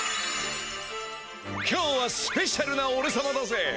今日はスペシャルなおれさまだぜ。